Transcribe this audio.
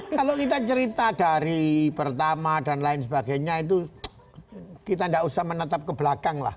kalau kita cerita dari pertama dan lain sebagainya itu kita tidak usah menetap ke belakang lah